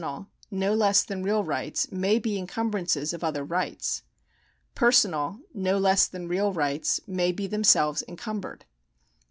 Personal, no less than real rights may be encumbrances of other rights. Personal, no less than real rights may be themselves encumbered.